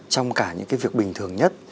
trong cả những cái việc bình thường nhất